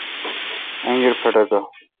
انگیر پھٹھکہ